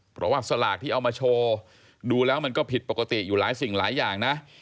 เพราะว่าสลากที่เอามาโชว์ดูแล้วมันก็ผิดปกติอยู่หลายสิ่งหลายอย่างนะ